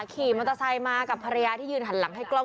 ขี่มอเตอร์ไซค์มากับภรรยาที่ยืนหันหลังให้กล้อง